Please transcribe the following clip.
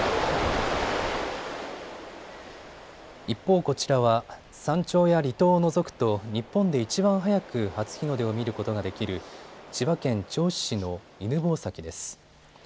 一方、こちらは山頂や離島を除くと日本でいちばん早く初日の出を見ることができる千葉県銚子市の犬吠埼です。